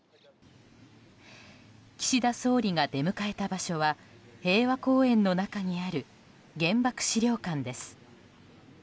岸田総理が出迎えた場所は平和公園の中にある原爆資料館です。